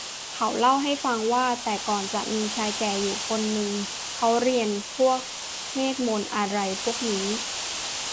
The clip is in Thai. เขาเล่าให้ฟังว่า แต่ก่อนจะมีชายแก่อยู่คนนึงเขาเรียนพวกเวทย์มนต์อะไรพวกนี้